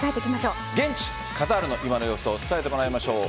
現地・カタールの今の様子を伝えてもらいましょう。